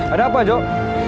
ada apa jok